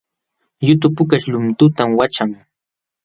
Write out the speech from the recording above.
Yutu pukaśh luntutam waćhan